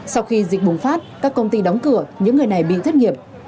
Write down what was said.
sau khi dịch bùng phát các công ty đóng cửa những người này bị thất nghiệp